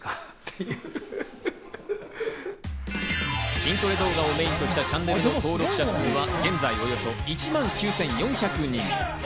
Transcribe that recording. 筋トレ動画をメインとしたチャンネルの登録者数は現在およそ１万９４００人。